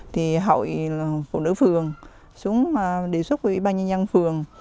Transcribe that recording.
thì hội phụ nữ phường xuống địa xuất của ủy ban nhân dân phường